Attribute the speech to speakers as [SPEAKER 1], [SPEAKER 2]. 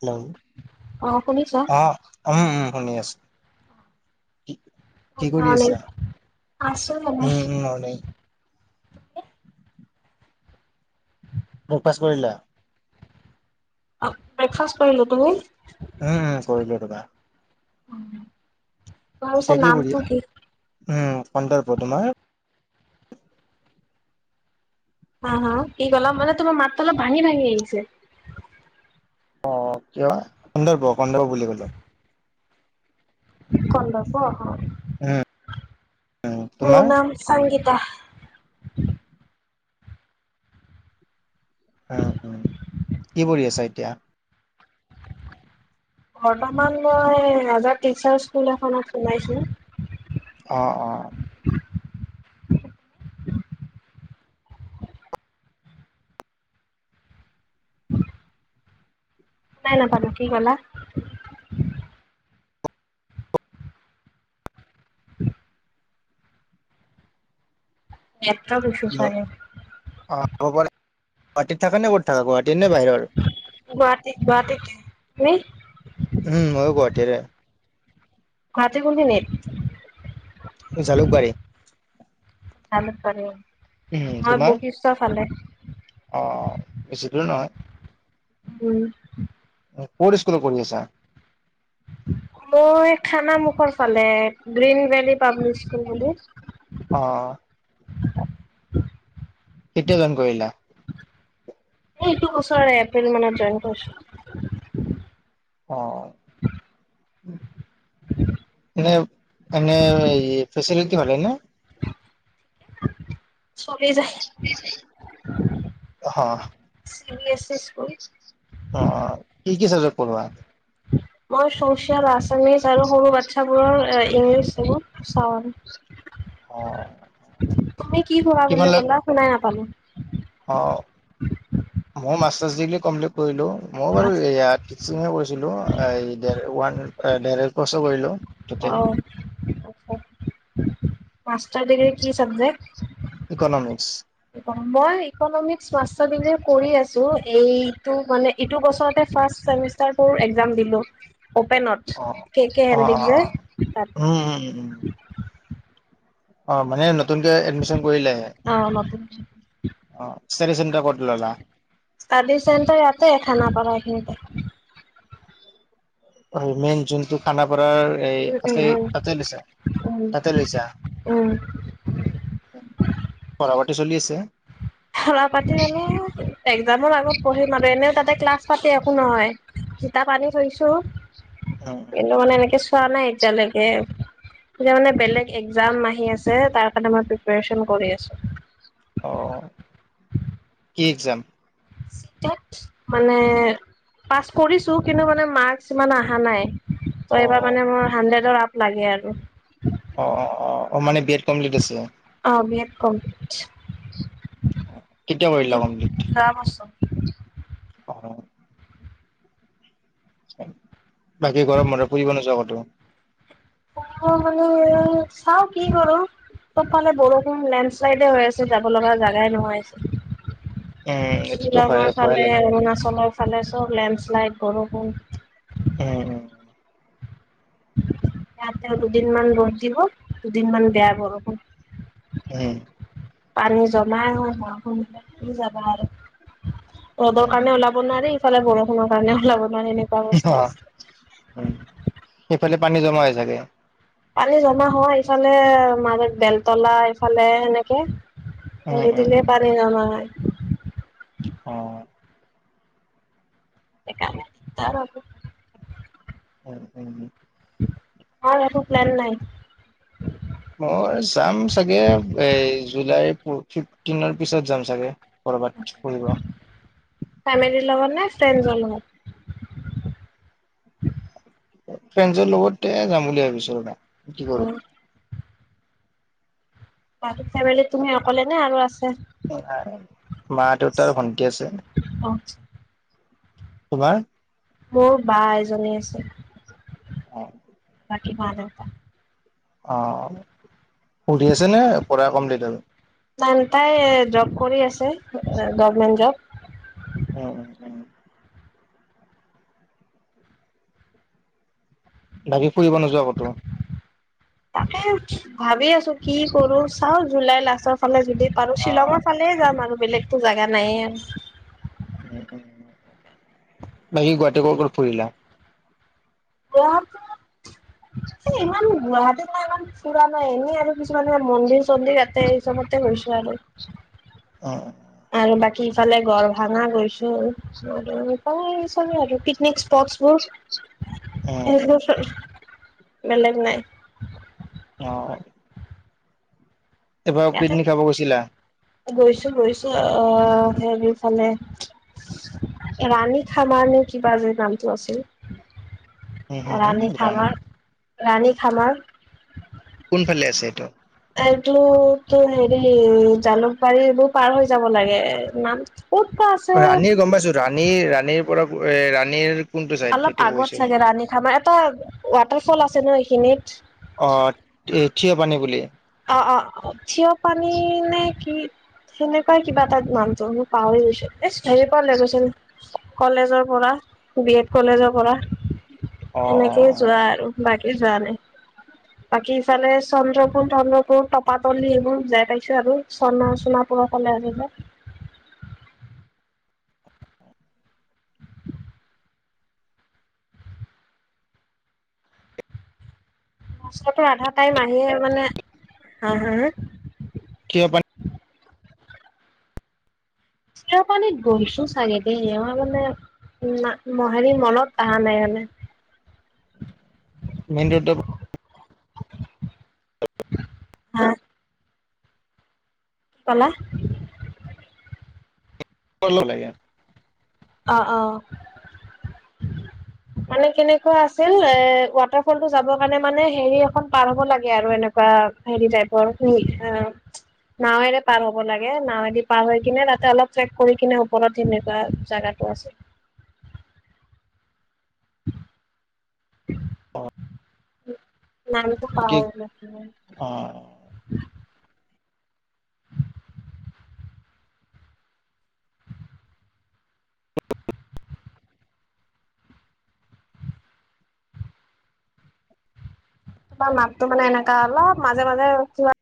[SPEAKER 1] Hello.
[SPEAKER 2] অ শুনিছা
[SPEAKER 1] অ উম উম। শুনি আছো। কি কৰি আছা?
[SPEAKER 2] আছো এনে
[SPEAKER 1] উম উম মোক পাছ কৰিলা?
[SPEAKER 2] অ ব্ৰেকফাষ্ট কৰিলু। তুমি?
[SPEAKER 1] উম উম কৰিলু ৰবা। এতিয়া
[SPEAKER 2] [unintelligible]
[SPEAKER 1] কৰি
[SPEAKER 2] নামটো কি?
[SPEAKER 1] উম কন্দৰ্প। তোমাৰ?
[SPEAKER 2] হা? হা? কি কলা? মানে তোমাৰ মাত অলপ ভাঙি ভাঙি আহিছে।
[SPEAKER 1] অ কিয়- কন্দৰ্প, কন্দৰ্প বুলি কলো।
[SPEAKER 2] কন্দৰ্প।
[SPEAKER 1] উম
[SPEAKER 2] অ
[SPEAKER 1] উম
[SPEAKER 2] মোৰ
[SPEAKER 1] তোমাৰ
[SPEAKER 2] নাম সংগীতা। [inaudible]
[SPEAKER 1] উম উম কি পঢ়ি আছা এতিয়া?
[SPEAKER 2] বৰ্তমান মই ৰাজা টিচাৰ স্কুল এখনত শুমাইছো।
[SPEAKER 1] অ অ।
[SPEAKER 2] শুনাই নাপালো কি কলা? [inaudible] নেট্ৰক উচু চাগে।
[SPEAKER 1] পৰে- গুৱাহাটত থাকা নে ক'ত থাকা? গুৱাহাটীৰ নে বাহিৰৰ?
[SPEAKER 2] গুৱাহাটীত গুৱাহাটীত-। তুমি?
[SPEAKER 1] উম মইও গুৱাহাটীৰে।
[SPEAKER 2] গুৱাহাটীৰ কোন খিনিৰ?
[SPEAKER 1] জালুকবাৰী।
[SPEAKER 2] জালুনিবাৰী।
[SPEAKER 1] উম
[SPEAKER 2] মই
[SPEAKER 1] তোমাৰ
[SPEAKER 2] বশিষ্ঠ ফালে।
[SPEAKER 1] অ বেছি দূৰ নহয়।
[SPEAKER 2] উম।
[SPEAKER 1] ক'ত স্কুলত পঢ়ি আছা?
[SPEAKER 2] মই খান মুখৰ ফালে গ্ৰীণ ভেলী পাব্লিক স্কুল বুলি।
[SPEAKER 1] অ
[SPEAKER 2] [inaudible]
[SPEAKER 1] কেতিয়া জইন কৰিলা?
[SPEAKER 2] এইটো বছৰে এপ্ৰিল মানত জইন কৰিছো।
[SPEAKER 1] অ।
[SPEAKER 2] [inaudible]
[SPEAKER 1] এ এনে ফেচিটি ভালে ন?
[SPEAKER 2] চলি যায়।
[SPEAKER 1] অ
[SPEAKER 2] C B S E school.
[SPEAKER 1] অ কি কি চাবজেক্ট পঢ়োৱা?
[SPEAKER 2] মই ছচিয়াল, আছামিজ আৰু সৰু বাচ্ছাবোৰৰ ইংলিছ এইবোৰ চাওঁ।
[SPEAKER 1] অ
[SPEAKER 2] তুমি কি কৰা
[SPEAKER 1] কিমান
[SPEAKER 2] বুলি
[SPEAKER 1] লাগ
[SPEAKER 2] ক'লা? শুনাই নাপালো।
[SPEAKER 1] অ মই মাষ্টাৰছ ডিগ্ৰী কমপ্লিট কৰিলো। মই
[SPEAKER 2] অ
[SPEAKER 1] বাৰু
[SPEAKER 2] আচ্ছা।
[SPEAKER 1] ইয়া টিছিঙে কৰিছিলো, এই ওৱান ডৰছ কৰিলো।
[SPEAKER 2] অ
[SPEAKER 1] টোটেল
[SPEAKER 2] আচ্চা মাষ্টাৰ ডিগ্ৰী কি চাবজেক্ট?
[SPEAKER 1] ইকনমিক্স।
[SPEAKER 2] মই ইকনমিক্স মাষ্টাৰ ডিগ্ৰী কৰি আছো, এইটো মানে ইটো বছৰতে ফাৰ্ষ ছেমিষ্টাৰটোৰ এক্সাম দিলোঁ। অপেনত
[SPEAKER 1] অ
[SPEAKER 2] কে কে
[SPEAKER 1] অ অ
[SPEAKER 2] হেন্দিক
[SPEAKER 1] অ
[SPEAKER 2] যে
[SPEAKER 1] উম উম উম
[SPEAKER 2] তাতে।
[SPEAKER 1] অ', মানে নতুনকে এডমিচন কৰিলেহে।
[SPEAKER 2] অ নতুনকে
[SPEAKER 1] অ', ষ্টাডী চেণ্টাৰ ক'ত ল'লা?
[SPEAKER 2] ষ্টাডি চেণ্টাৰ ইয়াতে খানাপাৰাতে।
[SPEAKER 1] মেইন যোনটো খানাপ তাৰ এই
[SPEAKER 2] উম
[SPEAKER 1] আছে
[SPEAKER 2] উম উম
[SPEAKER 1] তাতে লৈছা
[SPEAKER 2] উম
[SPEAKER 1] তাতে লৈছা?
[SPEAKER 2] উম
[SPEAKER 1] পঢ়া-পাতি চলি আছে?
[SPEAKER 2] এক্সামৰ আগত পঢ়িম আৰু। এনেও তাতে ক্লাছ-পাতি একো নহয় কিতাপ আনি থৈছো।
[SPEAKER 1] উম উম
[SPEAKER 2] কিন্তু মানে এনেকে চোৱা নাই এতিয়ালৈকে। এতিয়া মানে বেলেগ এক্সাম আহি আছে তাৰ কাৰণে প্ৰিপাৰেচন কৰি আছোঁ।
[SPEAKER 1] অ'। কি এক্সাম?
[SPEAKER 2] চি-টেট। মানে পাছ কৰিছো কিন্তু মানে মাৰ্কছ ইমান আহা নাই। তো
[SPEAKER 1] অ
[SPEAKER 2] এইবাৰ মানে মোৰ হাণ্ড্ৰেডৰ আপ লাগে আৰু।
[SPEAKER 1] অ অ অ অ', মানে বি এড কমপ্লিট আছে।
[SPEAKER 2] কমপ্লিট,
[SPEAKER 1] কেতিয়া কৰিলা কমপ্লিট
[SPEAKER 2] যোৱা বছৰ।
[SPEAKER 1] অ'। বাকী গৰম বন্ধত ফুৰিব নোযোৱা ক'তো?
[SPEAKER 2] অ', মানে চাওঁ কি কৰো। চবফালে বৰষুণ লেণ্ড শ্লাইডে হৈ আছে যাব লগা জেগাই নোহোৱা
[SPEAKER 1] উম
[SPEAKER 2] হৈছে।
[SPEAKER 1] এইটোতো হয়
[SPEAKER 2] শ্বিলঙৰ
[SPEAKER 1] ভয়ে
[SPEAKER 2] ফালে
[SPEAKER 1] লাগে
[SPEAKER 2] অৰুণাচলৰ ফালে চব লেণ্ডছ্লাইড, বৰষুণ
[SPEAKER 1] উম উম।
[SPEAKER 2] ইয়াতেয়ো দুদিনমান ৰ'দ দিব, দুদিনমান বেয়া বৰষুণ।
[SPEAKER 1] উম।
[SPEAKER 2] পানী জমাই [unintelligible] কি যাবা আৰু। ৰ'দৰ
[SPEAKER 1] উম
[SPEAKER 2] কাৰণে
[SPEAKER 1] উম
[SPEAKER 2] ওলাব নোৱাৰি। ইফালে বৰষুণৰ কাৰণে ওলাব নোৱাৰি এনেকুৱা অৱস্থা
[SPEAKER 1] [unintelligible]
[SPEAKER 2] হৈছে
[SPEAKER 1] উম, সেইফালে পানী জমা হয় চাগে?
[SPEAKER 2] পানী জমা হয় ইফালে মাজত বেলতলা এইফালে হেনেকে।
[SPEAKER 1] উম
[SPEAKER 2] ধৰি
[SPEAKER 1] উম
[SPEAKER 2] দিলে
[SPEAKER 1] উম
[SPEAKER 2] পানী নমা নাই।
[SPEAKER 1] অ'।
[SPEAKER 2] সেইকাৰণে। তাৰো আকৌ
[SPEAKER 1] হয় হয় নি?
[SPEAKER 2] অ', একো প্লেন নাই।
[SPEAKER 1] মই যাম চাগে। এই জুলাই ফিফটিনৰ পিছত যাম চাগে। ক'ৰবাত ফুৰিব
[SPEAKER 2] শ্বিলংত নে ফ্ৰেণ্ডছৰ লগত?
[SPEAKER 1] ফ্ৰেণ্ডছৰ লগতে যাম বুলি ভাৱিছো ৰ'বা, কি
[SPEAKER 2] অ
[SPEAKER 1] কৰো।
[SPEAKER 2] বাকী ফেমেলিত তুমি অকলে নে আৰু আছ
[SPEAKER 1] নাই, মা-দেউতা আৰু ভন্টি আছে।
[SPEAKER 2] অ
[SPEAKER 1] তোমাৰ?
[SPEAKER 2] মোৰ বা এজনী আছে।
[SPEAKER 1] অ'।
[SPEAKER 2] [unintelligible]
[SPEAKER 1] অ', পঢ়ি আছে নে পঢ়া কমপ্লিট আৰু?
[SPEAKER 2] জান তাই জব কৰি আছে, গভমেণ্ট জব।
[SPEAKER 1] উম উম। বাকী ফুৰিব নোযোৱা ক'তো?
[SPEAKER 2] তাকে ভাৱি আছো কি কৰো, চাওঁ জুলাই লাষ্টৰ ফালে যদি পাৰোঁ
[SPEAKER 1] অ
[SPEAKER 2] শ্বিলংৰ ফালে যাম আৰু বেলেগতো জোগা নাইয়ে।
[SPEAKER 1] উম', উম'। বাকি গুৱাহাটী কৰ ক'ত ফুৰিলা।
[SPEAKER 2] গুৱাহাটীত ইমান গুৱাহাটীৰ ইমান ফুৰা নাই এনেই আৰু কিছুমানে মন্দিৰ-চন্দিৰ এতে এই ওচৰতে গৈছে আৰু।
[SPEAKER 1] অহ।
[SPEAKER 2] আৰু বাকী ইফালে গড় ভাঙা গৈছোঁ আৰু চলোঁ আৰু পিকনিক স্প [unintelligible]
[SPEAKER 1] উম উম উম
[SPEAKER 2] এনেকেই বেলেগ নাই।
[SPEAKER 1] অহ। এবাৰ পিকনিক খাব গৈছিলা।
[SPEAKER 2] গৈছোঁ গৈছোঁ অহ হেৰিৰ ফালে। ৰাণী খামানে কিবাযে নামটো আছিল।
[SPEAKER 1] হুম হুম হুম
[SPEAKER 2] ৰাণী খামাৰ, ৰাণী খামাৰ।
[SPEAKER 1] কোনফালে আছে এইটো?
[SPEAKER 2] এইতো তো হেৰি জালুকবাৰী এইবোৰ পাৰ হৈ যাব লাগে। নাম ক'ত বা আছে
[SPEAKER 1] ৰাণীৰ গম পাইছোঁ ৰাণীৰ, ৰাণীৰ পৰা এ ৰাণীৰ কোনটো চাইড
[SPEAKER 2] অলপ
[SPEAKER 1] সেইটো
[SPEAKER 2] আগত
[SPEAKER 1] কৈছে মোক।
[SPEAKER 2] চাগে ৰাণী খামাৰ এটা ৱাটাৰফল আছে ন' এইখিনিত।
[SPEAKER 1] অহ, থিয়া পানী বুলি।
[SPEAKER 2] অহ', অহ' থিয় পানী নে কি সেনেকুৱাই কিবা এটা নামটো মই পাহৰি গৈছোঁ। এই হেৰি পৰা লৈ গৈছিল কলেজৰ পৰা। বি এড কলেজৰ পৰা।
[SPEAKER 1] অ অ
[SPEAKER 2] এনেকেই
[SPEAKER 1] অ
[SPEAKER 2] যোৱা আৰু বাকী যোৱা নাই বাকী ইফালে চন্দ্ৰপুৰ তন্ময়পুৰ, টপাতলি এইবোৰ যাই পাইছোঁ আৰু চণ-সোণাপুৰৰ ফালে আহিব। [unintelligible] ৰাস্তাটো আধা টাইম আহি মানে, হা হা হা?
[SPEAKER 1] থিয় পানী
[SPEAKER 2] থিয় পানীত গৈছোঁ চাগে দেই মই মানে না' মই হেৰি মনত আহা নাই মানে
[SPEAKER 1] মেইন [unintelligible]
[SPEAKER 2] হা? কি কলা?
[SPEAKER 1] [unintelligible] লাগে।
[SPEAKER 2] অ', অ'। মানে কেনেকুৱা আছিল এ ৱাটাৰ ফলতটো যাবৰ কাৰণে মানে হেৰি এখন পাৰ হ'ব লাগে আৰু এনেকুৱা। অহ, হেৰি টাইপৰ নাওৱেৰে পাৰ হ'ব লাগে, নাওৱেদি পাৰ হৈ কিনে তাতে অলপ ট্ৰেক কৰি কিনে ওপৰত সনেকুৱা জাগাত জাগা আছে। [unintelligible]
[SPEAKER 1] অ'।
[SPEAKER 2] নামটো
[SPEAKER 1] কি
[SPEAKER 2] পাহৰি গৈছিলোঁ।
[SPEAKER 1] অ
[SPEAKER 2] তোমাৰ মাতটো মানে এনেকা অলপ মাজে-মাজে কিবা